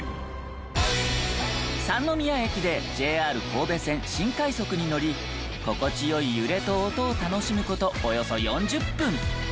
三ノ宮駅でＪＲ神戸線新快速に乗り心地よい揺れと音を楽しむ事およそ４０分。